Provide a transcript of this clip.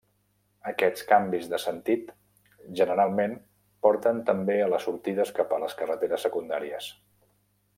Aquests canvis de sentit generalment porten també a les sortides cap a les carreteres secundàries.